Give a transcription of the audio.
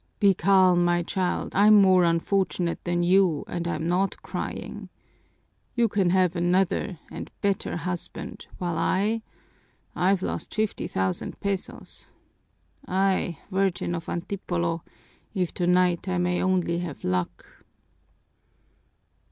Be calm, my child, I'm more unfortunate than you and I'm not crying. You can have another and better husband, while I I've lost fifty thousand pesos! Ay, Virgin of Antipolo, if tonight I may only have luck!"